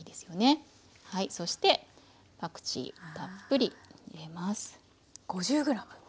そしてパクチーをたっぷり入れます。